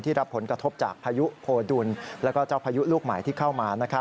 รับผลกระทบจากพายุโพดุลแล้วก็เจ้าพายุลูกใหม่ที่เข้ามา